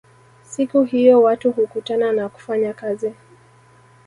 Siku hiyo watu hukutana na kufanya kazi